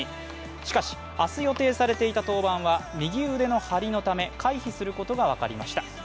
しかし明日予定されていた登板は右腕の張りのため回避することが分かりました。